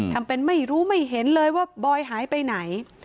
ทำเป็นไม่รู้ไม่เห็นเลยว่าบอยหายไปไหน